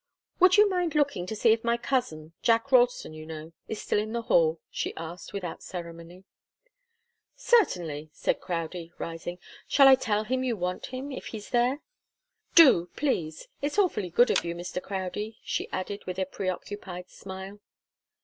"Would you mind looking to see if my cousin Jack Ralston, you know, is still in the hall?" she asked, without ceremony. "Certainly," said Crowdie, rising. "Shall I tell him you want him, if he's there?" "Do, please. It's awfully good of you, Mr. Crowdie," she added, with a preoccupied smile.